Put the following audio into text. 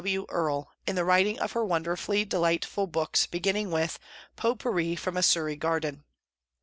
W. Earle, in the writing of her wonderfully delightful books, begin ning with " Pot Pourri from a Surrey Garden."